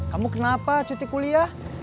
kamu kenapa cuti kuliah